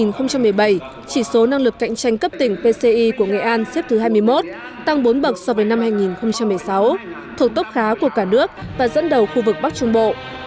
năm hai nghìn một mươi bảy chỉ số năng lực cạnh tranh cấp tỉnh pci của nghệ an xếp thứ hai mươi một tăng bốn bậc so với năm hai nghìn một mươi sáu thuộc tốc khá của cả nước và dẫn đầu khu vực bắc trung bộ